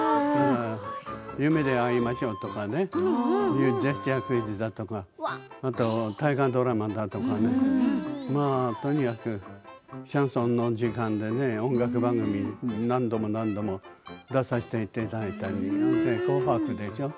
「夢であいましょう」とかねジェスチャークイズだとか大河ドラマだとかとにかくシャンソンの時間で音楽番組に何度も何度も出させていただいたり「紅白」でしょう。